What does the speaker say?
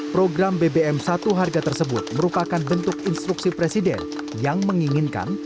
program bbm satu harga tersebut merupakan bentuk instruksi presiden yang menginginkan